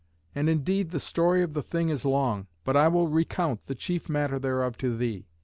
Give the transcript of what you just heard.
And indeed the story of the thing is long, but I will recount the chief matter thereof to thee.